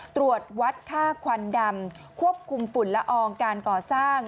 ตรวจวัดค่าควันดำควบคุมฝุ่นละอองการก่อสร้าง